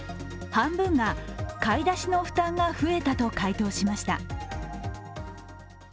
半分が買い出しの負担が増えたと回答しました。